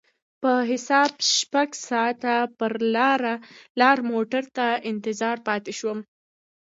په حساب شپږ ساعته پر لار موټر ته انتظار پاتې شوم.